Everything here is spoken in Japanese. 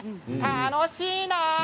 楽しいな！